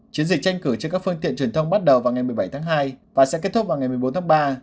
chiến dịch tranh cử trên các phương tiện truyền thông bắt đầu vào ngày một mươi bảy tháng hai và sẽ kết thúc vào ngày một mươi bốn tháng ba